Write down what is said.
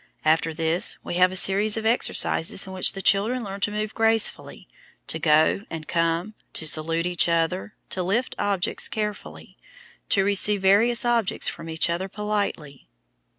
After this we have a series of exercises in which the children learn to move gracefully, to go and come, to salute each other, to lift objects carefully, to receive various objects from each other politely.